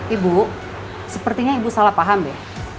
ibu sepertinya ibu salah paham ya